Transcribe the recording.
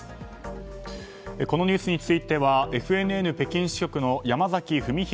このニュースについてはＦＮＮ北京支局の山崎文博